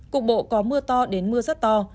cục bộ có mưa to đến mưa rất to